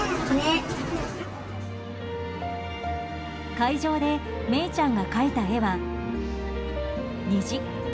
会場で芽依ちゃんが描いた絵は虹。